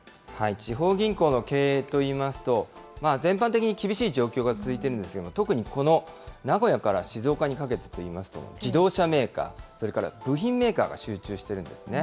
地方銀行の経営といいますと、全般的に厳しい状況が続いているんですが、特にこの名古屋から静岡にかけてといいますと、自動車メーカー、それから部品メーカーが集中しているんですね。